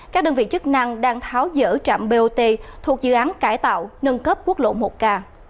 các đơn vị chức năng đang tháo dỡ trạm bot thuộc dự án cải tạo nâng cấp quốc lộ một k